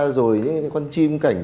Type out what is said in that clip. rồi những cái con chim cảnh